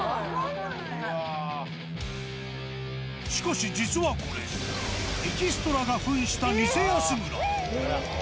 しかし、実はこれ、エキストラがふんした偽安村。